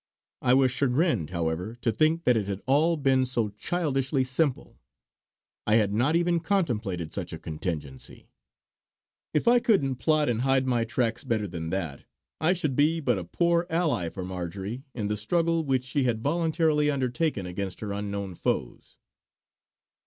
I was chagrined, however, to think that it had all been so childishly simple. I had not even contemplated such a contingency. If I couldn't plot and hide my tracks better than that, I should be but a poor ally for Marjory in the struggle which she had voluntarily undertaken against her unknown foes.